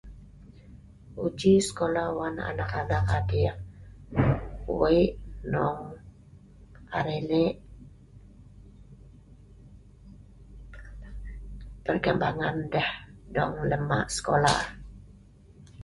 Uji sekolah wan anak anak adik weik hnung arai lek perkembangan deh lem ma’ sekola